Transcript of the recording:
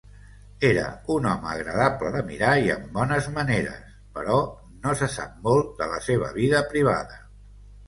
Era un home agradable de mirar i amb bones maneres, però no se sap molt de la seva vida privada.